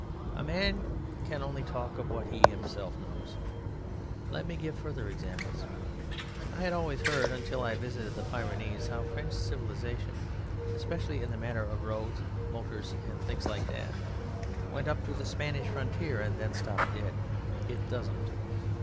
A man can only talk of what he himself knows. Let me give further examples. I had always heard until I visited the Pyrenees how French civilization (especially in the matter of roads, motors, and things like that) went up to the "Spanish" frontier and then stopped dead. It doesn't.